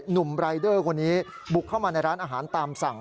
หนุ่มรายเดอร์คนนี้บุกเข้ามาในร้านอาหารตามสั่ง